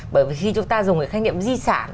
bởi vì khi chúng ta dùng cái khái niệm di sản